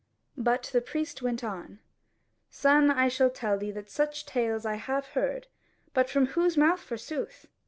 But the priest went on: "Son, I shall tell thee that such tales I have heard, but from whose mouth forsooth?